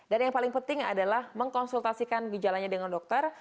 dan yang paling penting adalah mengkonsultasikan gejalanya dengan dokter